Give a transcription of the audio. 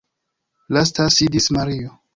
Lasta sidis Mario.